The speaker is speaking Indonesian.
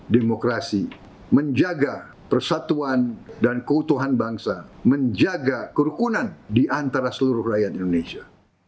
demokrasi menjaga persatuan dan keutuhan bangsa menjaga kerukunan di antara seluruh rakyat indonesia